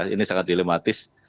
ini sangat dilematis